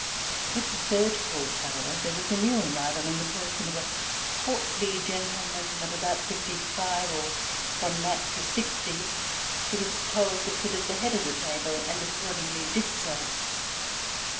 With the third course, however, there was a new arrival in the person of a portly gentleman of about fifty five, or from that to sixty, who was told to sit at the head of the table, and accordingly did so.